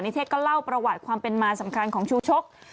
เทศก็เล่าประวัติความเป็นมาสำคัญของชูชก